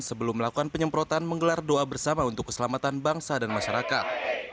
sebelum melakukan penyemprotan menggelar doa bersama untuk keselamatan bangsa dan masyarakat